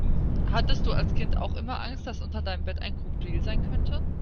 Hattest du als Kind auch immer Angst, dass unter deinem Bett ein Krokodil sein könnte?